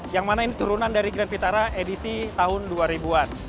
yang mana ini turunan dari grand vitara edisi tahun dua ribu an